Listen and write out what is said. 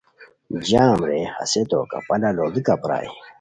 جام رے ہسے تو کپالہ لوڑیکا پرائے